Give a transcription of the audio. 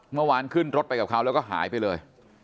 เมื่อวานขึ้นรถไปกับเขาแล้วก็หายไปเลย